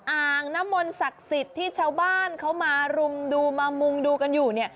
อ่างน้ำมนต์ศักดิ์สิทธิ์ที่ชาวบ้านเขามารุมดูมามุงดูกันอยู่เนี่ย